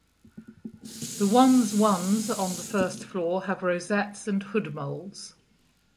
The ones ones on the first floor have rosettes and hood moulds.